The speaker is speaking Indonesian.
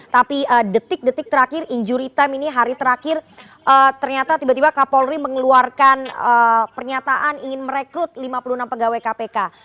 tapi detik detik terakhir injury time ini hari terakhir ternyata tiba tiba kapolri mengeluarkan pernyataan ingin merekrut lima puluh enam pegawai kpk